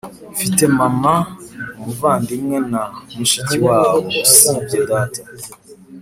mfite mama, umuvandimwe na mushikiwabo, usibye data.